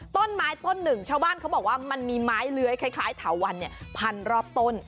ต้นไม้ต้นหนึ่งชาวบ้านเขาบอกว่ามันมีไม้เลื้อยคล้ายเถาวันพันรอบต้น